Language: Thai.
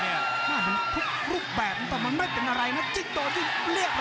น่าจะเป็นรูปแบบแต่มันไม่เป็นอะไรนะจิ๊กโต้ที่เรียบร้อย